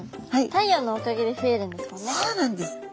太陽のおかげで増えるんですよね。